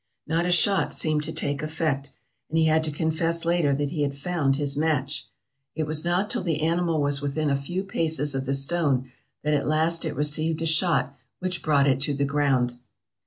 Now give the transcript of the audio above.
Not a shot seemed to take effect, and he had to confess later that he had found his match. It was not till the animal was within a few paces of the stone that at last it received a shot which brought it to the ground."